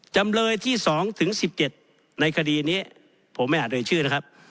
จำเลยที่สองถึงสิบเจ็ดในคดีนี้ผมไม่อาจโดยชื่อนะครับ